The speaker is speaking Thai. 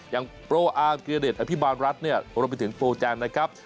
อย่างโปรอาร์เกรเดชอภิบาลรัฐเนี่ยรวมไปถึงโปรแจนนะครับ